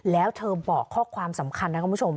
แล้วเธอบอกข้อความสำคัญนะคุณผู้ชม